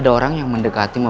ada orang yang mendekati ini pak